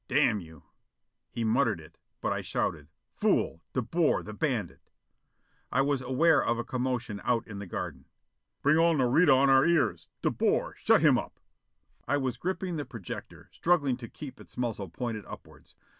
"Damn you!" He muttered it, but I shouted, "Fool! De Boer, the bandit!" I was aware of a commotion out in the garden. "... Bring all Nareda on our ears? De Boer, shut him up!" I was gripping the projector, struggling to keep its muzzle pointed upwards.